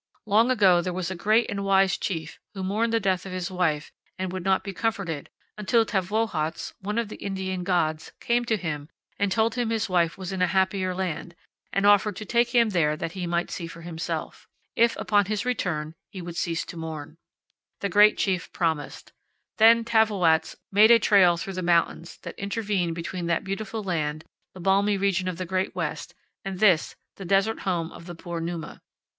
Long ago there was a great and wise chief who mourned the death of his wife and would not be comforted, 36 powell canyons 15.jpg THE SITE OF MOENKOPI. THE VALLEY OF THE COLORADO. 37 until Tavwoats, one of the Indian gods, came to him and told him his wife was in a happier land, and offered to take him there that he might see for himself, if, upon his return, he would cease to mourn. The great chief promised. Then Tavwoats made a trail through the mountains that intervene between that beautiful land, the balmy region of the great west, and this, the desert home of the poor Numa.